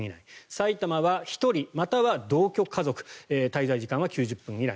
埼玉は１人または同居家族滞在時間は９０分以内。